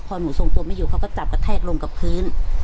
พอหนูทรงตัวไม่อยู่เขาก็จับกระแทกลงกับพื้น